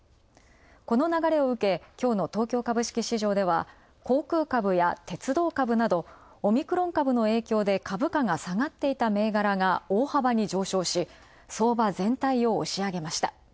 この流れを受け、きょうの東京株式市場では航空株や鉄道株など、オミクロン株の影響で株価が下がっていた銘柄が大幅に上昇し、相場全体を押し上げました。